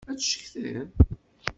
Ad d-ccetkiḍ!?